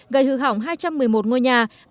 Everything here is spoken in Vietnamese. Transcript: gây hư hỏng hai trăm một mươi một ngôi nhà